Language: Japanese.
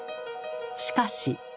しかし。